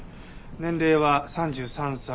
年齢は３３歳。